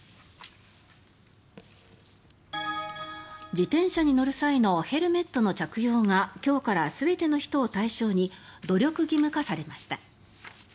自転車に乗る際のヘルメットの着用が今日から全ての人を対象に努力義務化されました。